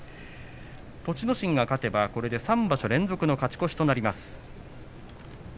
栃ノ心、勝てばこれで３場所連続の勝ち越しとなります。